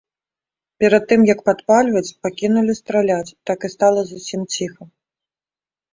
Перад тым як падпальваць, пакінулі страляць, так і стала зусім ціха.